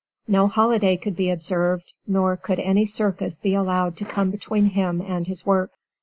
No holiday could be observed, nor could any circus be allowed to come between him and his work.